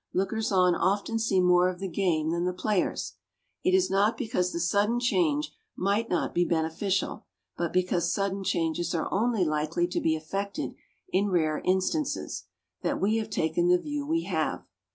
Lookers on often see more of the game than the players. It is not because the sudden change might not be beneficial, but because sudden changes are only likely to be effected in rare instances, that we have taken the view we have.